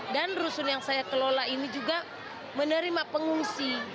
dan rusun yang saya kelola ini juga menerima pengungsi